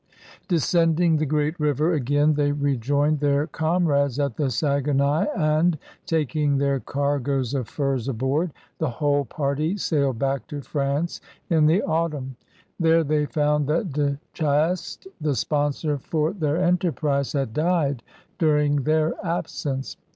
Descending the great river again, they rejoined their comrades at the Saguenay, and, taking their cargoes of furs aboard, the whole party sailed back to France in the autumn. There they found that De Chastes, the sponsor for their enterprise, had died during their absence.